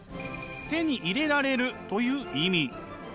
手に入れられるという意味。